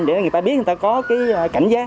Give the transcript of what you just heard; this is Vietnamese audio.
để người ta biết người ta có cái cảnh giác